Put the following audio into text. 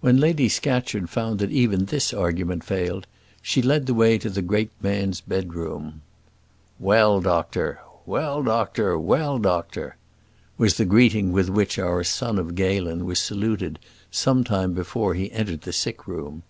When Lady Scatcherd found that even this argument failed, she led the way to the great man's bedroom. "Well, doctor! well, doctor! well, doctor!" was the greeting with which our son of Galen was saluted some time before he entered the sick room.